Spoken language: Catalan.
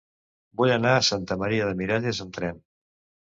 Vull anar a Santa Maria de Miralles amb tren.